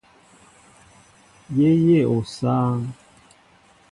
Yé yéʼ osááŋ.